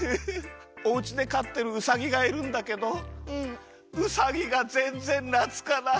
おうちでかってるウサギがいるんだけどウサギがぜんぜんなつかないの。